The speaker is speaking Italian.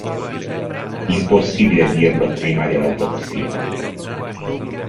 Impossibile dirlo prima dell'autopsia.